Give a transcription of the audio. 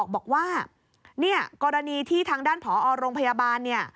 บอกว่ากรณีที่ทางด้านผอโรงพยาบาล